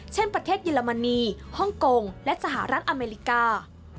เช่นประเทศเยอรมนีฮ่องกงและสหรัฐอเมริกา